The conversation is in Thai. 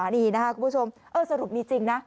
นี่นะครับคุณผู้ชมสรุปมีจริงนะ